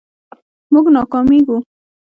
مونږ ناکامیږو